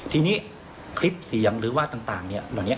ทีนี้คลิปเสียงหรือว่าต่างเหล่านี้